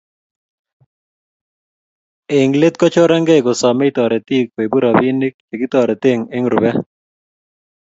eng let kochorankei kosomei toretiik koibu robinik chekitoreten eng rubee